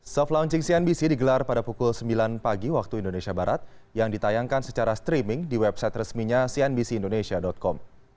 soft launching cnbc digelar pada pukul sembilan pagi waktu indonesia barat yang ditayangkan secara streaming di website resminya cnbc indonesia com